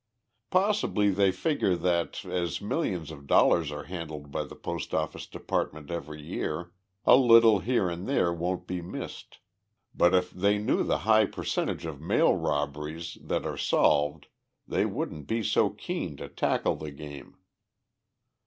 Possibly they figure that, as millions of dollars are handled by the Post office Department every year, a little here and there won't be missed. But if they knew the high percentage of mail robberies that are solved they wouldn't be so keen to tackle the game.